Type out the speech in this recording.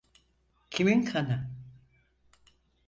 Kimin kanı?